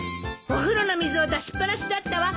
お風呂の水を出しっ放しだったわ。